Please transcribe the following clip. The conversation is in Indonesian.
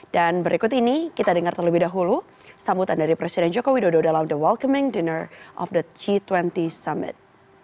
dan berikut ini kita dengar terlebih dahulu sambutan dari presiden joko widodo dalam the welcoming dinner of the g dua puluh summit